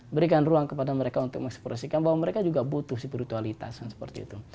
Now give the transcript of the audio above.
berikan ruang kepada mereka untuk mengekspresikan bahwa mereka juga butuh spiritualitas seperti itu